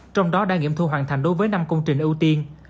trong đó đã nghiệm thu hoàn thành đối với năm công trình ưu tiên